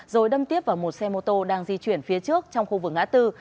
rồi đâm tiếp vào một xe mô tô đang di chuyển phía trước trong khu vực ngã tư